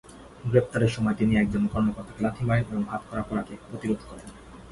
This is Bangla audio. গ্রেফতারের সময় তিনি একজন কর্মকর্তাকে লাথি মারেন এবং হাতকড়া পড়াকে প্রতিরোধ করেন।